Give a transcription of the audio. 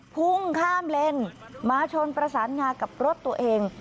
พุ่งข้ามเลนมาชนประสานงากับรถตัวเอง